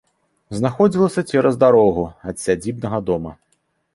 Знаходзілася цераз дарогу ад сядзібнага дома.